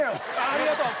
ありがとう。